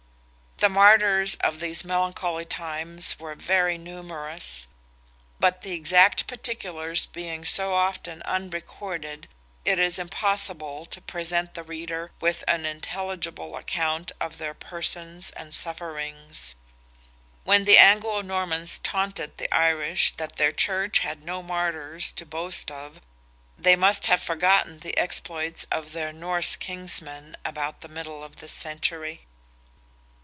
The martyrs of these melancholy times were very numerous, but the exact particulars being so often unrecorded it is impossible to present the reader with an intelligible account of their persons and sufferings. When the Anglo Normans taunted the Irish that their Church had no martyrs to boast of, they must have forgotten the exploits of their Norse kinsmen about the middle of this century.